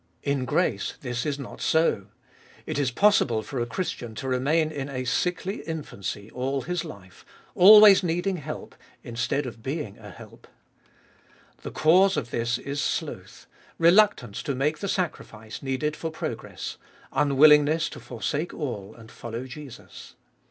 In grace this is not so. It is possible for a Christian to remain in a sickly infancy all his life, always needing help, instead of being a help. The cause of this is sloth, reluctance to make the sacrifice needed for progress, unwillingness to forsake all and follow Jesus.